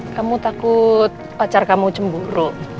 kamu takut pacar kamu cemburu